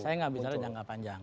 saya gak bisa jangka panjang